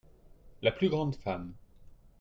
la plus grande femme.